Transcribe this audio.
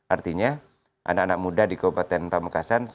artinya anak anak muda di kabupaten pamekasan